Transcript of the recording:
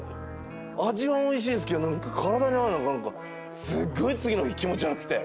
味はおいしいんすけど体に合わないのかすっごい次の日気持ち悪くて。